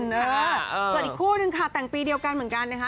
ส่วนอีกคู่นึงค่ะแต่งปีเดียวกันเหมือนกันนะคะ